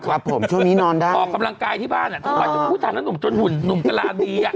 ครับผมช่วงนี้นอนได้ออกกำลังกายที่บ้านอ่ะเพราะว่าคุณผู้ชายนั้นหนุ่มจนหุ่นหนุ่มกระดาษดีอ่ะ